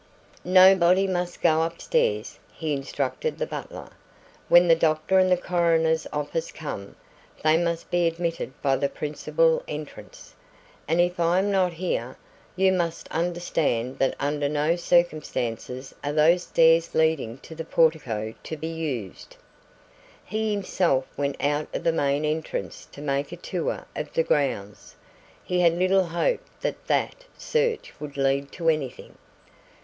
"Nobody must go upstairs," he instructed the butler. "When the doctor and the coroner's officer come, they must be admitted by the principal entrance, and if I am not here, you must understand that under no circumstances are those stairs leading to the portico to be used." He himself went out of the main entrance to make a tour of the grounds. He had little hope that that search would lead to anything.